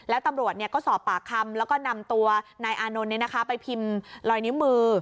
แล้วตำรวจก็สอบปากคำแล้วก็นำตัวนายอานนท์ไปพิมพ์ลอยนิ้วมือ